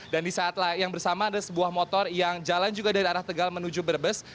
dan di saat yang bersama ada sebuah motor yang jalan juga dari arah tegal menuju brebes